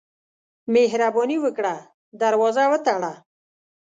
مهرباني وکړه، دروازه وتړه.